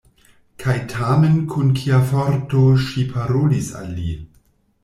Kaj tamen kun kia forto ŝi parolis al li!